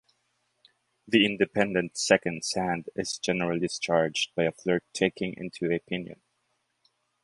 The independent seconds hand is generally discharged by a flirt taking into a pinion.